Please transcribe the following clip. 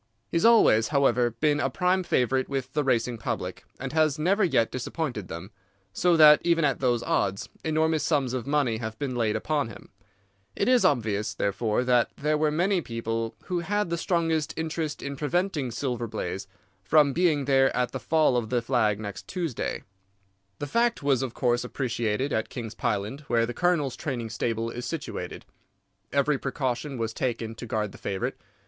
He has always, however, been a prime favourite with the racing public, and has never yet disappointed them, so that even at those odds enormous sums of money have been laid upon him. It is obvious, therefore, that there were many people who had the strongest interest in preventing Silver Blaze from being there at the fall of the flag next Tuesday. "The fact was, of course, appreciated at King's Pyland, where the Colonel's training stable is situated. Every precaution was taken to guard the favourite.